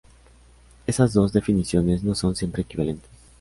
Esas dos definiciones no son siempre equivalentes.